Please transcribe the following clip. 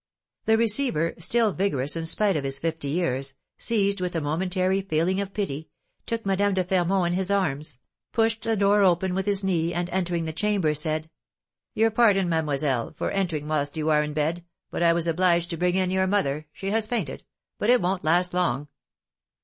The receiver, still vigorous in spite of his fifty years, seized with a momentary feeling of pity, took Madame de Fermont in his arms, pushed the door open with his knee, and, entering the chamber, said: "Your pardon, mademoiselle, for entering whilst you are in bed, but I was obliged to bring in your mother; she has fainted, but it won't last long."